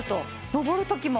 上る時も。